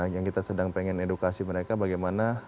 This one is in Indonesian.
yang kita sedang pengen edukasi mereka bagaimana